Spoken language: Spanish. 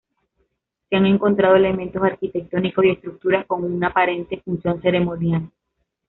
Se han encontrado elementos arquitectónicos y estructuras con una aparente función ceremonial.